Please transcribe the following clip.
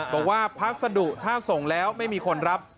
บอกว่าพัสดุถ้าส่งแล้วไม่มีคนรับ